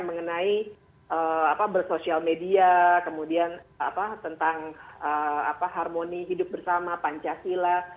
mengenai bersosial media kemudian tentang harmoni hidup bersama pancasila